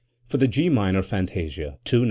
For the G minor fantasia (II, No.